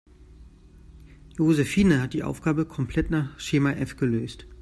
Josephine hat die Aufgabe komplett nach Schema F gelöst.